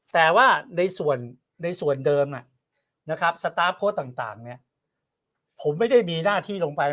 แต่ว่าในส่วนเดิมนะครับสตาร์ฟโค้ดต่างผมไม่ได้มีหน้าที่ลงไป